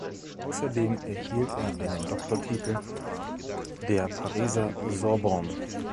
Außerdem erhielt er einen Doktortitel der Pariser Sorbonne.